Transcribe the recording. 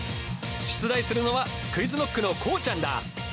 出題するのはＱｕｉｚＫｎｏｃｋのこうちゃんだ！